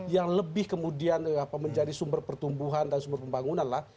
yang lebih kemudian menjadi sumber pertumbuhan dan sumber pembangunan lah